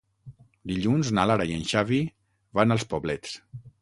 Dilluns na Lara i en Xavi van als Poblets.